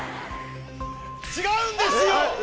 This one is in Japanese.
違うんですよ！